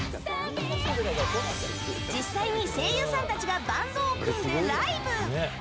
実際に声優さんたちがバンドを組んでライブ！